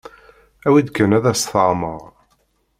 Awi-d kan ad as-teɛmer.